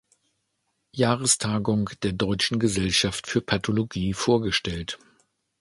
Jahrestagung der Deutschen Gesellschaft für Pathologie vorgestellt.